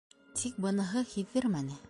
Тик быны һиҙҙермәне.